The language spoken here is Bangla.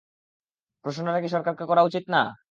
প্রশ্নটা কি সরকারকে করা উচিত না?